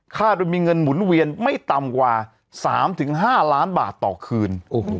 โดยมีเงินหมุนเวียนไม่ต่ำกว่า๓๕ล้านบาทต่อคืน